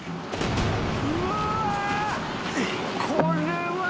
うわ！